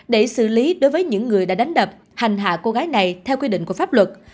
để xử lý đối với những người đã đánh đập hành hạ cô gái này theo quy định của pháp luật